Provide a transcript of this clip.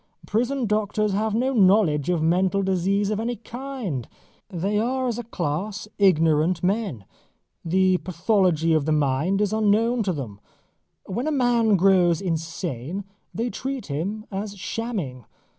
Prison doctors have no knowledge of mental disease of any kind. They are as a class ignorant men. The pathology of the mind is unknown to them. When a man grows insane, they treat him as shamming.